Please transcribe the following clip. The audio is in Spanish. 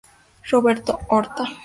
Roberto Horta.